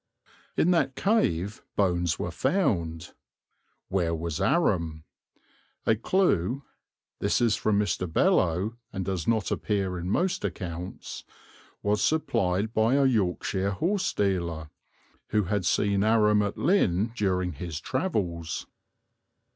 In that cave bones were found. Where was Aram? A clue (this is from Mr. Beloe and does not appear in most accounts) was supplied by a Yorkshire horse dealer, who had seen Aram at Lynn during his travels.